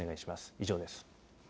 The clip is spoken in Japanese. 以上です。